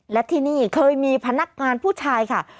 และที่นี่เคยมีพนักงานผู้ชายค่ะ